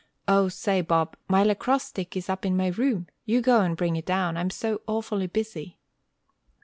O, say, Bob, my lacrosse stick is up in my room! You go and bring it down, I am so awfully busy."